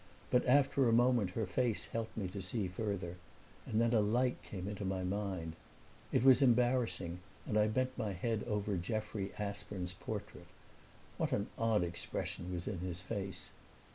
But after a moment her face helped me to see further, and then a light came into my mind. It was embarrassing, and I bent my head over Jeffrey Aspern's portrait. What an odd expression was in his face!